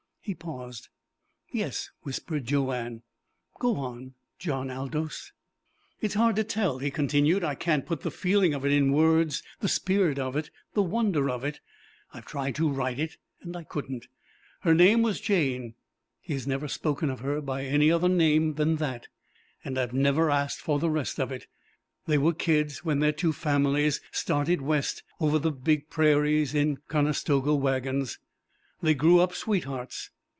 He paused. "Yes," whispered Joanne. "Go on John Aldous." "It's hard to tell," he continued. "I can't put the feeling of it in words, the spirit of it, the wonder of it. I've tried to write it, and I couldn't. Her name was Jane. He has never spoken of her by any other name than that, and I've never asked for the rest of it. They were kids when their two families started West over the big prairies in Conestoga wagons. They grew up sweethearts.